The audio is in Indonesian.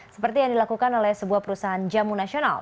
seperti yang dilakukan oleh sebuah perusahaan jamu nasional